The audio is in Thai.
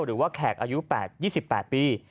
หรือว่าแขกอายุ๒๘ปี